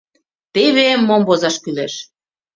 — Теве мом возаш кӱлеш!